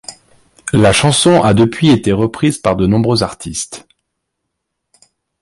La chanson a depuis été reprise par de nombreux artistes.